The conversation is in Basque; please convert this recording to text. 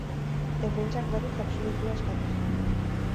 Defentsak, berriz, absoluzioa eskatu zuen.